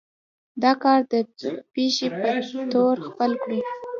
دا کار د پيشې پۀ طور خپل کړو